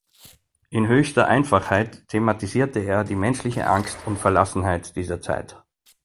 In höchster Einfachheit thematisierte er die menschliche Angst und Verlassenheit dieser Zeit.